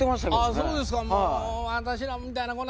そうですの。